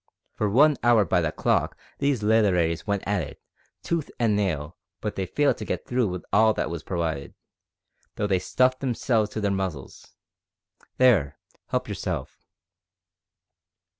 For one hour by the clock these literairies went at it, tooth an' nail, but they failed to get through with all that was purwided, though they stuffed themselves to their muzzles. There, 'elp yourself."